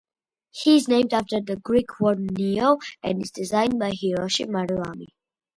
He is named after the Greek word "Neo" and is designed by Hiroshi Maruyama.